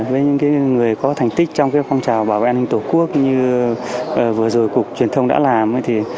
với những người có thành tích trong phong trào bảo vệ an ninh tổ quốc như vừa rồi cục truyền thông đã làm